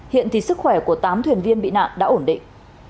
hiện thì sức khỏe của tám thuyền viên bị nạn đã ổn định